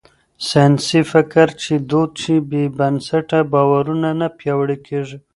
ساينسي فکر چې دود شي، بې بنسټه باورونه نه پياوړي کېږي.